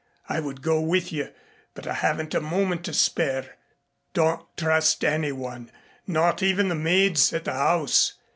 I would go with you but I haven't a moment to spare. Don't trust anyone not even the maids at the house.